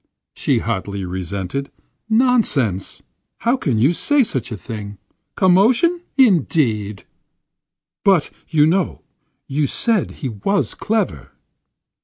she hotly resented. "Nonsense! How can you say such a thing? Commotion, indeed! But, you know, you said he was clever."